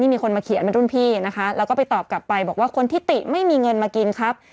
มันรุ่นพี่นะคะแล้วก็ไปตอบกลับไปบอกว่าคนที่ติไม่มีเงินมากินครับ